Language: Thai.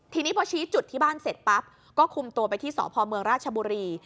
ทีนี้พอชี้จุดที่บ้านเสร็จปั๊บก็คุมตัวไปที่สพเมืองราชบุรี